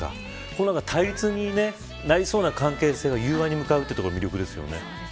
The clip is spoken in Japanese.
この対立になりそうな関係が友和に向かうところが魅力ですよね。